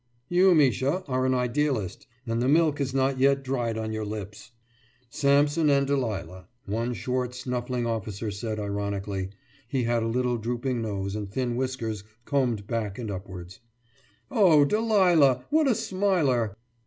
« »You, Misha, are an idealist, and the milk has not yet dried on your lips.« »Samson and Delilah,« one short snuffling officer said ironically; he had a little drooping nose and thin whiskers combed back and upwards. »Oh Delilah! What a smiler!